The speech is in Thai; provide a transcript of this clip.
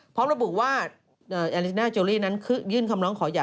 พร้อมระบุว่าแอลิน่าโจลี่นั้นยื่นคำร้องขอใหญ่